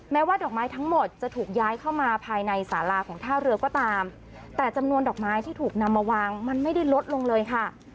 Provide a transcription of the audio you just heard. ว่าดอกไม้ทั้งหมดจะถูกย้ายเข้ามาภายในสาราของท่าเรือก็ตามแต่จำนวนดอกไม้ที่ถูกนำมาวางมันไม่ได้ลดลงเลยค่ะ